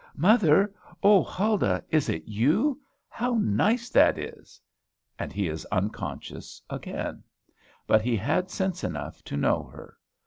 "Mother O Huldah! is it you? How nice that is!" And he is unconscious again; but he had had sense enough to know her.